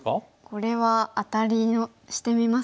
これはアタリしてみますか。